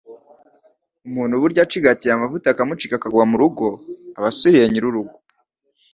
Umuntu burya acigatiye amavuta akamucika akagwa mu rugo, aba asuriye nyirurugo